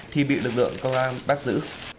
thì bị lực lượng công an bắt giữ